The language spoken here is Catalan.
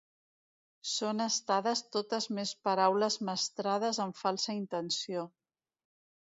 Són estades totes mes paraules mestrejades amb falsa intenció.